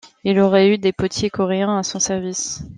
Il aurait eu des potiers coréens à son service.